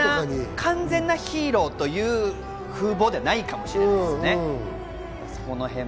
完全なヒーローという風貌ではないかもしれないですね。